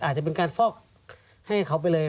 อาจจะเป็นการฟอกให้เขาไปเลย